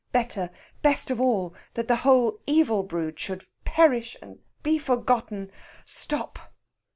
Better, best of all that the whole evil brood should perish and be forgotten.... Stop!